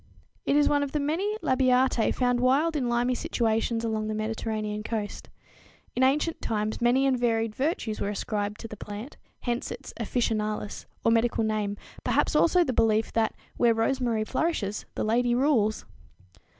It is one of the many Labiatæ found wild in limy situations along the Mediterranean coast. In ancient times many and varied virtues were ascribed to the plant, hence its "officinalis" or medical name, perhaps also the belief that "where rosemary flourishes, the lady rules!"